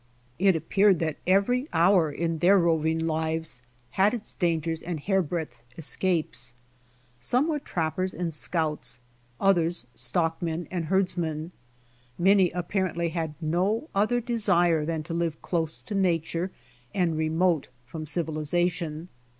It appeared that every hour in their roving lives had its dangers and hair breadth escapes. Some Avere trappers and scouts, others stockmen and herdsmen. Many apparently had no other desire than to live close to nature and remote from civilization.